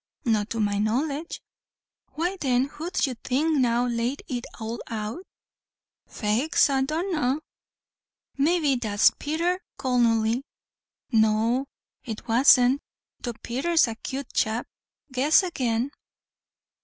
"Not to my knowledge." "Why then who 'ud you think now laid it all out?" "Faix I dunna maybe 't was Pether Conolly." "No it wasn't, though Pether's a cute chap guess again."